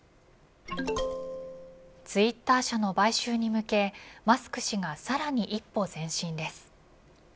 ツイッター社の買収に向けマスク氏がさらに一歩前進です。